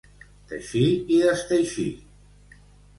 Teixir i desteixir.